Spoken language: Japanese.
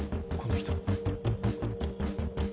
この人。